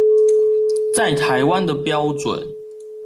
在台灣的標準